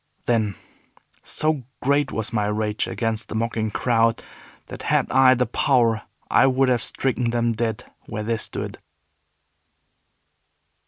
Then, so great was my rage against the mocking crowd that had I the power I would have stricken them dead where they stood.